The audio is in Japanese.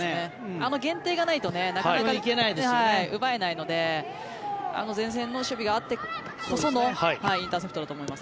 あの限定がないとなかなか奪えないのであの前線の守備があってこそのインターセプトだと思います。